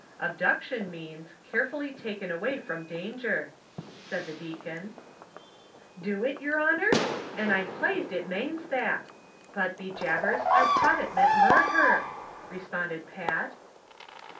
Abduction means, care fully taken away from danger," said the deacon. "Do it, yer honor V an' I am plazed it manes that; but, be jabers, I tought it mant murdher," responded Pat.